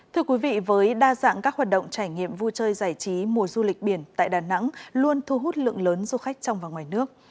thưa quý vị với đa dạng các hoạt động trải nghiệm vui chơi giải trí mùa du lịch biển tại đà nẵng luôn thu hút lượng lớn du khách trong và ngoài nước